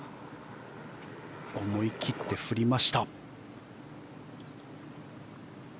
思い切って振りました。